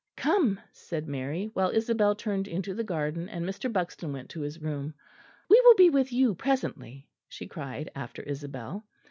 "Come," said Mary; while Isabel turned into the garden and Mr. Buxton went to his room. "We will be with you presently," she cried after Isabel.